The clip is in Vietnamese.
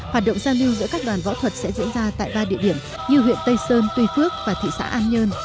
hoạt động giao lưu giữa các đoàn võ thuật sẽ diễn ra tại ba địa điểm như huyện tây sơn tuy phước và thị xã an nhơn